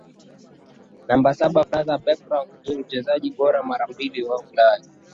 Namba saba Franz Beckenbauer ni Mchezaji bora mara mbili wa Ulaya